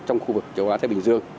trong khu vực châu á thái bình dương